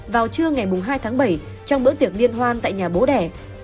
vào trưa ngày hai tháng bảy trong bữa tiệc liên hoan tại nhà bố đẻ